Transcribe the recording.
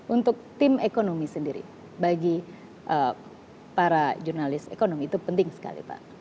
untuk tim ekonomi sendiri bagi para jurnalis ekonomi itu penting sekali pak